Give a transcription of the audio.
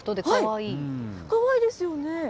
かわいいですよね。